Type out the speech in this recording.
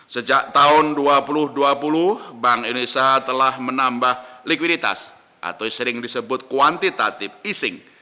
sejak tahun dua ribu dua puluh bank indonesia telah menambah likuiditas atau sering disebut kuantitative easing